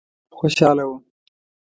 خوشاله وم.